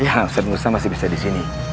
ya ustadz musa masih bisa disini